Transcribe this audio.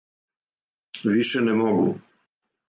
Више не могу.